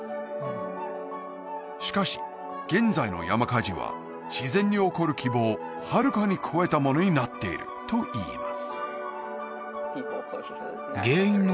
しかし現在の山火事は自然に起こる規模をはるかに超えたものになっているといいます